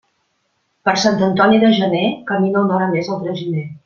Per Sant Antoni de gener camina una hora més el traginer.